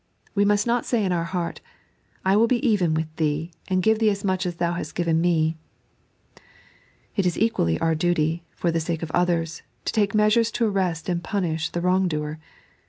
We must not say in our heart :" I will be even with thee, and give thee as much as thou hast given me." It is equally our duty, for the sake of others, to take measures to arrest and punish the wrong doer.